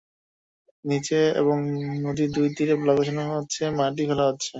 নিচে এবং নদীর দুই তীরে ব্লক বসানো হচ্ছে, মাটি ফেলা হচ্ছে।